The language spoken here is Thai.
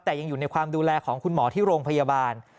แต่ยังอยู่ในความดูแลของคุณหมอที่โรงพยาบาล